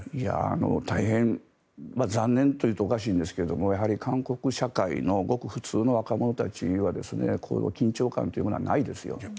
大変残念と言うとおかしいんですがやはり韓国社会のごく普通の若者たちにはこの緊張感っていうのはないですよ。